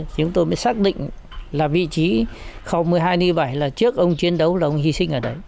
chúng tôi mới xác định là vị trí không một mươi hai bảy là trước ông chiến đấu là ông hy sinh ở đấy